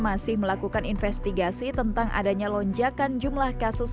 masih melakukan investigasi tentang adanya lonjakan jumlah kasus